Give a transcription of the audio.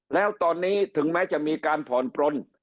แล้วตอนนี้ถึงแม้จะมีการผ่อนปลน